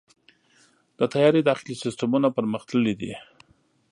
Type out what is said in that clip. د طیارې داخلي سیستمونه پرمختللي دي.